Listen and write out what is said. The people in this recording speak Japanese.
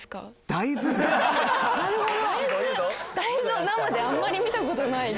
大豆を生であんまり見た事ない気が。